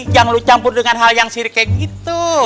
jangan lo campur dengan hal yang sirik kayak gitu